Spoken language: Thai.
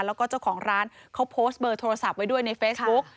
แล้วก็เจ้าของร้านเขาโพสต์เบอร์โทรศัพท์ไว้ด้วยในเฟซบุ๊ก